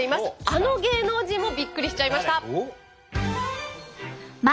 あの芸能人もビックリしちゃいました！